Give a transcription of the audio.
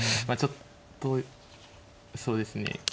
まあちょっとそうですね